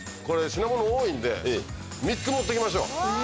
これ品物多いんで３つ持って行きましょう。